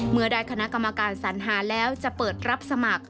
เมื่อได้คณะกรรมการสัญหาแล้วจะเปิดรับสมัคร